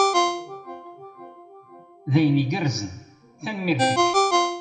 D ayen igerrzen. Tanemmirt-ik!